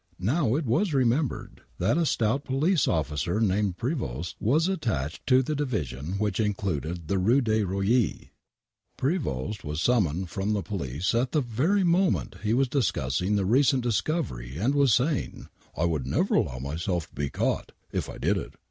K^ow, it was remembered that a stout police officer named Prevost was attached to the division which included the Rue des Roisiers. Prevost was summoned from the police at the very moment he was discussing the recent discovery and was saying, " I would never allow myself to be caught, if I did it.